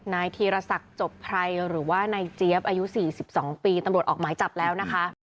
นายธีรศักดิ์จบไพรหรือว่านายเจี๊ยบอายุ๔๒ปีตำรวจออกหมายจับแล้วนะคะ